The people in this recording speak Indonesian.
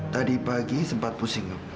tadi pagi sempat pusing